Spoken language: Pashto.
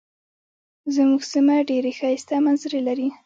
زمونږ سیمه ډیرې ښایسته منظرې لري.